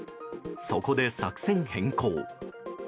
そこで作戦変更。